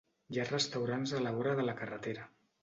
Hi ha restaurants a la vora de la carretera.